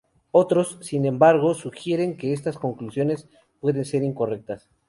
Otros, sin embargo, sugieren que estas conclusiones pueden ser incorrectas.